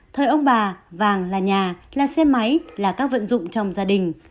thời ông bà vàng là nhà là xe máy là các vận dụng trong gia đình